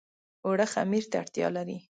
اوړه خمیر ته اړتيا لري